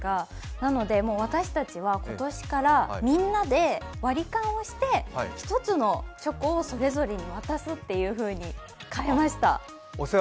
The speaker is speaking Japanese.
なので、私たちは今年からみんなで割り勘をして、一つのてチョコをそれぞれに渡すというふうに変えました。